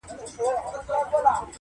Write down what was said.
تا بندولې سرې خولۍ هغه یې زور واخیست.